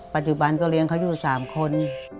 ปัจจุบันก็เลี้ยงเขาอยู่๓คน